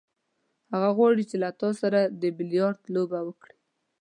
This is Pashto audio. هغه غواړي چې له تا سره د بیلیارډ لوبه وکړي.